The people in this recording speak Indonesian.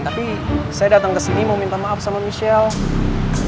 tapi saya datang ke sini mau minta maaf sama michelle